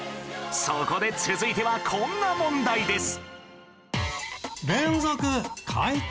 そこで続いてはこんな問題です